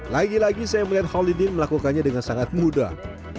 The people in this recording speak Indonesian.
lagi lagi saya melihat holidin melakukannya dengan sangat mudah